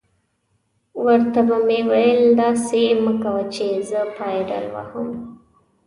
ور ته به مې ویل: داسې مه کوه چې زه پایډل وهم.